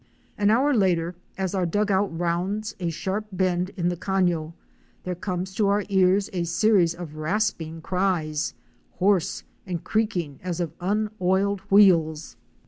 An hour later as our dug out rounds a sharp bend in the canho, there comes to our ears a series of rasping cries — hoarse and creaking as of unoiled wheels.